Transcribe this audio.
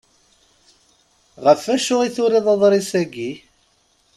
Ɣef acu i turiḍ aḍris-agi?